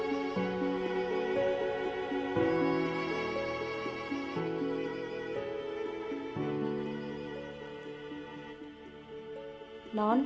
ada seseorang disoalan juga